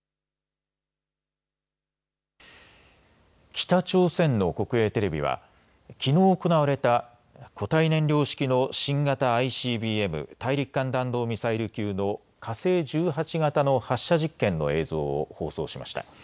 北朝鮮の国営テレビはきのう行われた固体燃料式の新型ＩＣＢＭ・大陸間弾道ミサイル級の火星１８型の発射実験の映像を放送しました。